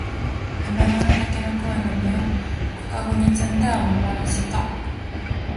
山の畑の桑の実を小かごに摘んだはまぼろしか